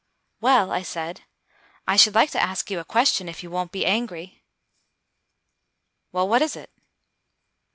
"Well," I said, "I should like to ask you a question, if you won't be angry." "Well, what is it?"